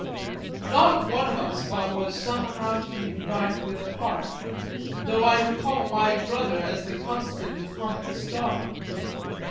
Not one of us but was somehow to be provided with a part, though I recall my brother as the constant comic star.